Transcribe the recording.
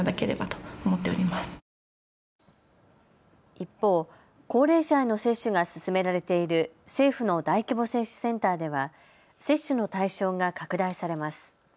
一方、高齢者への接種が進められている政府の大規模接種センターでは接種の対象が拡大されます。